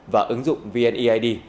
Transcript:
và ứng dụng vneid